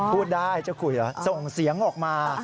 พูดได้เจ้าคุยเหรอส่งเสียงออกมา